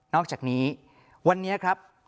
อกจากนี้วันนี้ครับ